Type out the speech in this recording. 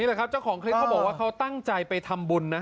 แหละครับเจ้าของคลิปเขาบอกว่าเขาตั้งใจไปทำบุญนะ